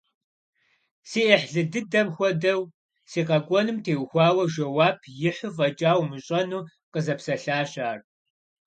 СриӀыхьлы дыдэм хуэдэу, си къэкӀуэнум теухуауэ жэуап ихьу фӀэкӀа умыщӀэну къызэпсэлъащ ар.